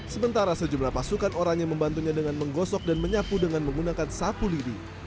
sementara sejumlah pasukan oranye membantunya dengan menggosok dan menyapu dengan menggunakan sapu lidi